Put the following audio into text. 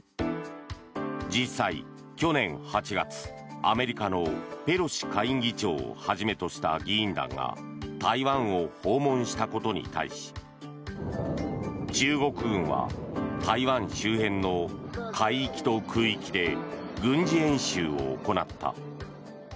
実際、去年８月アメリカのペロシ下院議長をはじめとした議員団が台湾を訪問したことに対し中国軍は台湾周辺の海域と空域で軍事演習を行った。